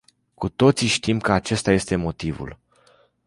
Cu toții știm că acesta este motivul.